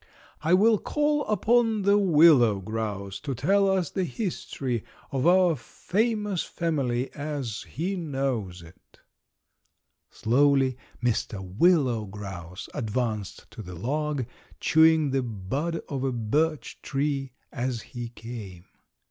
"I will call upon the willow grouse to tell us the history of our famous family as he knows it." Slowly Mr. Willow Grouse advanced to the log, chewing the bud of a birch tree as he came.